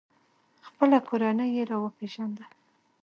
خپله کورنۍ یې را وپیژنده.